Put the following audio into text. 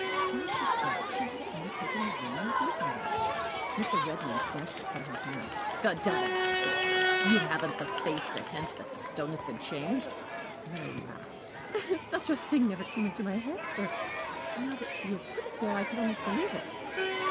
While she spoke, she had again taken the ring, and was looking at it. Mr. Redmain snatched it from her hand. "The devil!" he cried. "You haven't the face to hint that the stone has been changed?" Mary laughed. "Such a thing never came into my head, sir; but now that you have put it there, I could almost believe it."